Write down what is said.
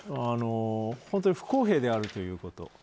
本当に不公平であるということ。